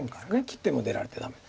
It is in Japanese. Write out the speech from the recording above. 切っても出られてダメ。